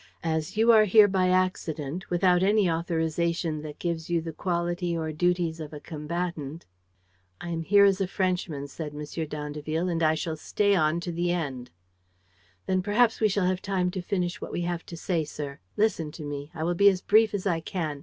As you are here by accident, without any authorization that gives you the quality or duties of a combatant. ..." "I am here as a Frenchman," said M. d'Andeville, "and I shall stay on to the end." "Then perhaps we shall have time to finish what we have to say, sir. Listen to me. I will be as brief as I can.